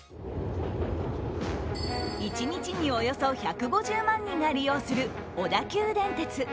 一日におよそ１５０万人が利用する小田急電鉄。